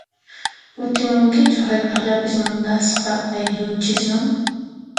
Kutimunkichu hayk'aqllapis munasqa ayllunchisman?